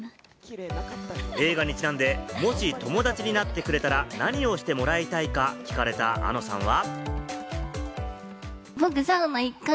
映画にちなんで、もし友達になってくれたら何をしてもらいたいか聞かれた、あのさんは。